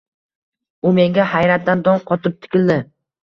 U menga hayratdan dong qotib tikildi: